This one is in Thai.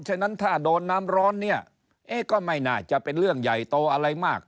ฉะนั้นถ้าโดนน้ำร้อนเนี่ยเอ๊ะก็ไม่น่าจะเป็นเรื่องใหญ่โตอะไรมาก